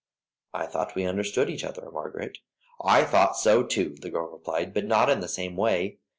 "I thought we understood each other, Margaret." "I thought so too," the girl replied, "but not in the same way.